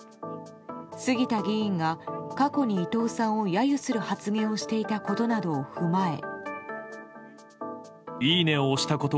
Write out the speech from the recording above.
杉田議員が過去に伊藤さんを揶揄する発言をしていたことなどを踏まえ。